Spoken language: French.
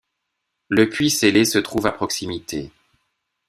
Le puits scellé se trouve à proximité.